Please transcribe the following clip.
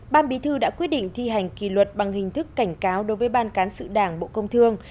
ban bí thư đã quyết định thi hành kỳ luật bằng hình thức cảnh cáo đối với ban cán sự đảng bộ công thương